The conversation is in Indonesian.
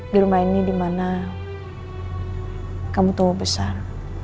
di rumah ini dimana kamu tahu besar